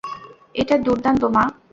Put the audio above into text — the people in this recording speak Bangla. এটা দুর্দান্ত, মা।